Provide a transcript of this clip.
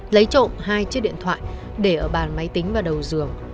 lấy trộm hai chiếc điện thoại để ở bàn máy tính và đầu dường